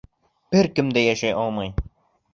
Бер кем дә йәшәй алмай.